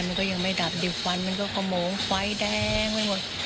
มันก็ยังไม่ดับดิบควันมันก็ขโมงไฟแดงไปหมด